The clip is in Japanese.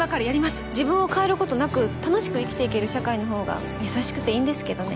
自分を変えることなく楽しく生きていける社会のほうが優しくていいんですけどね。